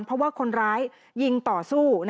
เพราะว่าคนร้ายยิงต่อสู้